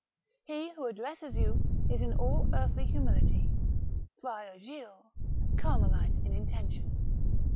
" He who addresses you is in all earthly humility, " Friar Gilles, " Carmelite in intention."